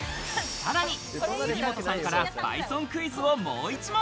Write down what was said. さらに杉本さんからバイソンクイズを、もう一問。